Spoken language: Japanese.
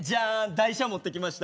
台車持ってきました。